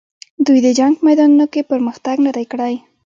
دوی د جنګ په میدانونو کې پرمختګ نه دی کړی.